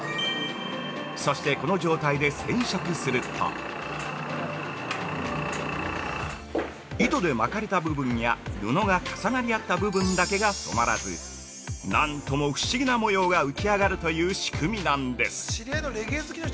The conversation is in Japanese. そして、この状態で染色すると糸で巻かれた部分や布が重なり合った部分だけが染まらず、なんとも不思議な模様が浮き上がるという仕組みなんです！